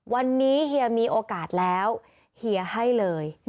วันนี้เฮียมีโอกาสแล้วเฮียให้เลย